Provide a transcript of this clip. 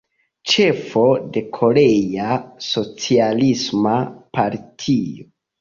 Ĉefo de Korea Socialisma Partio.